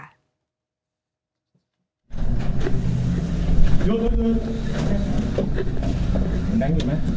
หยุด